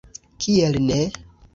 Kiel ne?